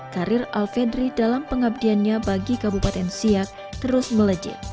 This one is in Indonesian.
karir alfedri dalam pengabdiannya bagi kabupaten siak terus melejit